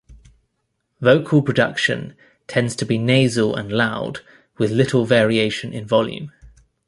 Vocal production tends to be nasal and loud with little variation in volume.